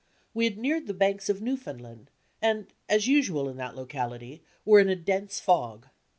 We had neared the banks of Newfoundland, and, as usual in that locality, were in a dense fog.